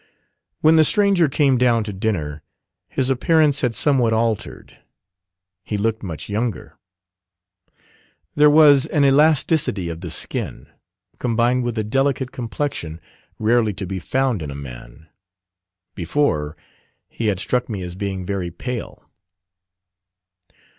When the stranger came down to dinner his appearance had somewhat altered; he looked much younger. There was an elasticity of the skin, combined with a delicate complexion, rarely to be found in a man. Before, he had struck me as being very pale.